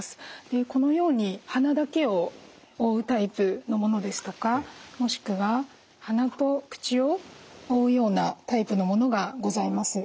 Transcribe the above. このように鼻だけを覆うタイプのものですとかもしくは鼻と口を覆うようなタイプのものがございます。